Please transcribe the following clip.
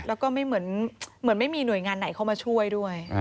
แล้วก็ไม่เหมือนไม่มีหน่วยงานไหนเข้ามาช่วยด้วย